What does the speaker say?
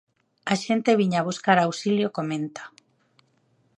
A xente viña buscar auxilio comenta.